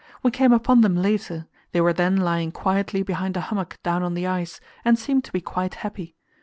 We came upon them later; they were then lying quietly behind a hummock down on the ice, and seemed to be quite happy.